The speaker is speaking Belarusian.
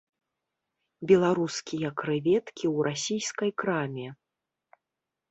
Беларускія крэветкі ў расійскай краме.